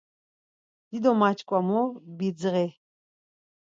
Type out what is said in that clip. Dido maç̌ǩomu, bidzği.